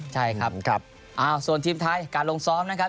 ใช่ครับส่วนทีมไทยการลงซ้อมนะครับ